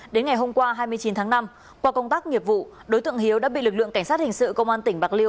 đến ngày hôm qua hai mươi chín tháng năm qua công tác nghiệp vụ đối tượng hiếu đã bị lực lượng cảnh sát hình sự công an tỉnh bạc liêu